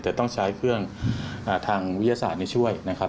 แต่ต้องใช้เครื่องทางวิทยาศาสตร์ช่วยนะครับ